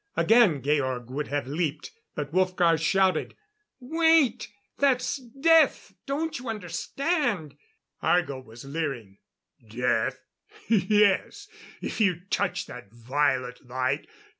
Again Georg would have leaped, but Wolfgar shouted, "Wait! That's death! Don't you understand?" Argo was leering. "Death? Yes! If you touch that violet light!